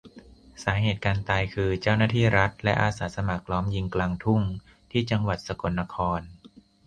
สาเหตุการตายคือ เจ้าหน้าที่รัฐและอาสาสมัครล้อมยิงกลางทุ่ง ที่จังหวัดสกลนคร